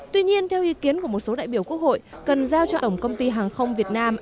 tuy nhiên theo ý kiến của một số đại biểu quốc hội cần giao cho tổng công ty hàng không việt nam